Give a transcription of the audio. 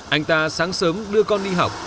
anh ta sáng sớm đưa con đi học